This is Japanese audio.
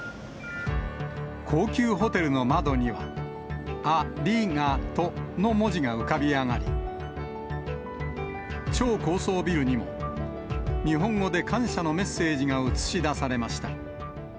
高級ホテルの窓には、アリガトの文字が浮かび上がり、超高層ビルにも、日本語で感謝のメッセージが映し出されました。